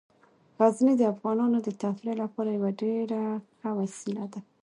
غزني د افغانانو د تفریح لپاره یوه ډیره ښه وسیله ده.